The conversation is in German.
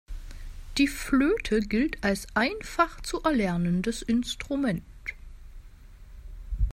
Die Flöte gilt als einfach zu erlernendes Instrument.